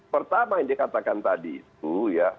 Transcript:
pertama yang dikatakan tadi itu ya